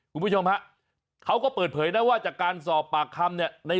คุณผู้ชมฮะเขาก็เปิดเผยนะว่าจากการสอบปากคำเนี่ย